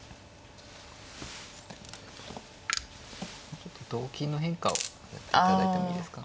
ちょっと同金の変化をやっていただいてもいいですか。